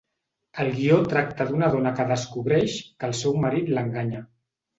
El guió tracta d'una dona que descobreix que el seu marit l'enganya.